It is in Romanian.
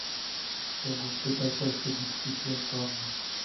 Vom începe această discuție în toamnă.